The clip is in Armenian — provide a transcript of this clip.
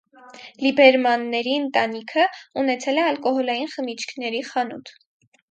Լիբերմանների ընտանիքը ունեցել է ալկոհոլային խմիչքների խանութ։